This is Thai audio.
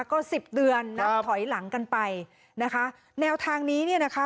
ก็สิบเดือนนับถอยหลังกันไปนะคะแนวทางนี้เนี่ยนะคะ